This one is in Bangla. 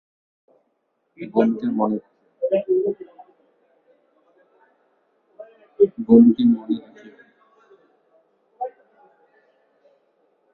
বোনকে মনে রাখিয়ো।